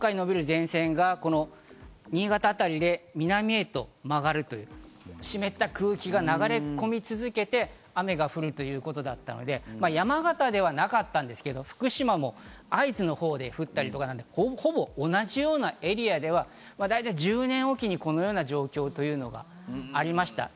それも同じように日本海に伸びる前線が新潟あたりで南へと曲がる湿った空気が流れ込み続けて、雨が降るということだったので、山形ではなかったんですけれども、福島も会津のほうで降ったりとか、ほぼ同じようなエリアではだいたい１０年おきにこのような状況というのがありました。